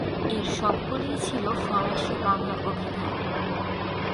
এর সবগুলিই ছিল ফরাসি-বাংলা অভিধান।